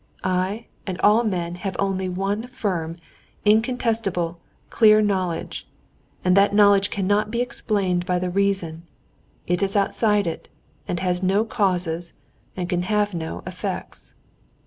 I and all men have only one firm, incontestable, clear knowledge, and that knowledge cannot be explained by the reason—it is outside it, and has no causes and can have no effects.